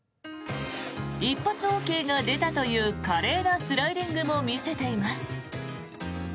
一発ＯＫが出たという華麗なスライディングも見せています。